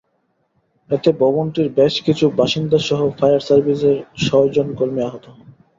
এতে ভবনটির বেশ কিছু বাসিন্দাসহ ফায়ার সার্ভিসের ছয়জন কর্মী আহত হন।